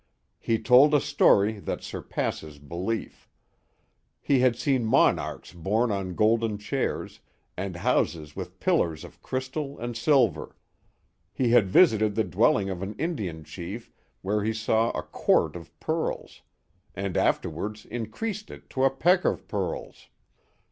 He told a story that surpasses belief. He had seen monarchs borne on golden chairs, and houses with pillars of crystal and silver. He had visited the dwelling of an Indian chief where he saw a quart of pearls; and afterwards increased it to a peck of pearls.